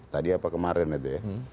tadi apa kemarin itu ya